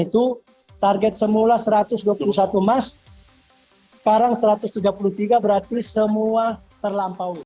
itu target semula satu ratus dua puluh satu emas sekarang satu ratus tiga puluh tiga berarti semua terlampau